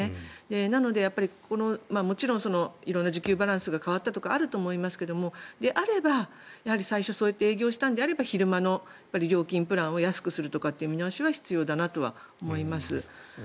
なのでもちろん色んな需給バランスが変わったとかあると思いますがであれば、最初そうやって営業したのであれば昼間の料金プランを安くするなどは必要だなとは思います。